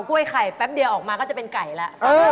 กล้วยไข่แป๊บเดียวออกมาก็จะเป็นไก่แล้ว